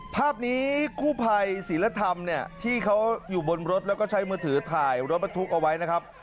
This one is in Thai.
ภาพนี้กู้ภัยศิลธรรมเนี่ยที่เขาอยู่บนรถแล้วก็ใช้มือถือถ่ายรถบรรทุกเอาไว้นะครับ